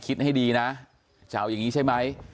คิดให้ดีนะจะเอาอย่างนี้ใช่ไหม